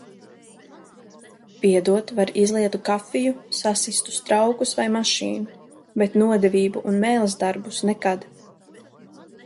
Piedot var izlietu kafiju, sasistus traukus vai mašīnu, bet nodevību un mēles darbus nekad.